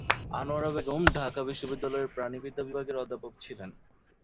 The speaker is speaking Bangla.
আনোয়ারা বেগম ঢাকা বিশ্ববিদ্যালয়ের প্রাণিবিদ্যা বিভাগের অধ্যাপক ছিলেন।